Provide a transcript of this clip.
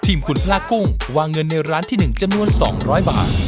คุณพระกุ้งวางเงินในร้านที่๑จำนวน๒๐๐บาท